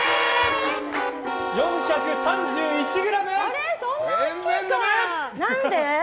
４３１ｇ！